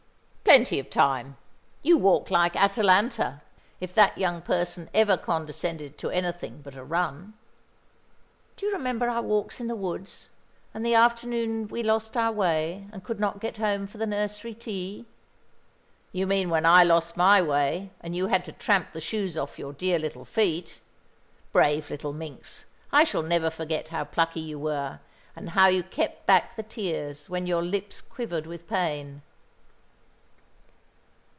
"Plenty of time. You walk like Atalanta, if that young person ever condescended to anything but a run." "Do you remember our walks in the woods, and the afternoon we lost our way and could not get home for the nursery tea?" "You mean when I lost my way, and you had to tramp the shoes off your dear little feet. Brave little minx, I shall never forget how plucky you were, and how you kept back the tears when your lips quivered with pain."